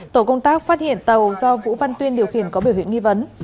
tổ công tác phát hiện tàu do vũ văn tuyên điều khiển có biểu hiện nghi vấn